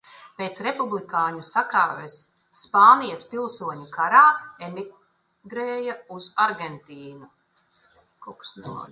Pēc republikāņu sakāves Spānijas pilsoņu karā emigrēja uz Argentīnu.